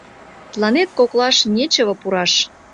Тыланет коклаш нечево пураш.